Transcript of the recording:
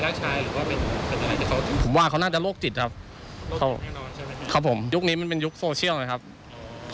อยากจะทำอะไรเขาก็ทำกันครับครับผมแต่เรารู้สึกสึกตกใจใช่ไหม